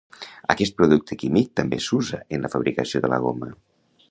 Aquest producte químic també s'usa en la fabricació de la goma.